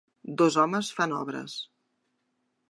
Dos homes fan obres.